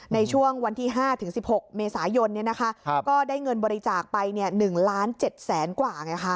ในช่วงวันที่ห้าถึงสิบหกเมษายนเนี่ยนะคะก็ได้เงินบริจาคไปเนี่ยหนึ่งล้านเจ็ดแสนกว่าไงค่ะ